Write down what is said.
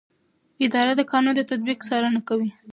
اداره د قانون د تطبیق څارنه کوي.